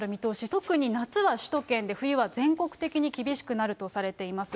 特に夏は首都圏で、冬は全国的に厳しくなるとされています。